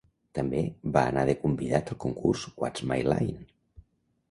També va anar de convidat al concurs "What's My Line?"